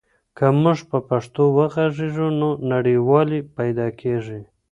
که موږ په پښتو وغږېږو نو نږدېوالی پیدا کېږي.